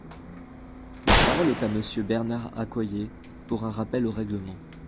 La parole est à Monsieur Bernard Accoyer, pour un rappel au règlement.